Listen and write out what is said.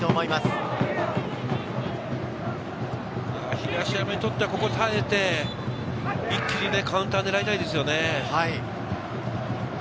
東山にとってはここを耐えて、一気にカウンター狙いたいですよね。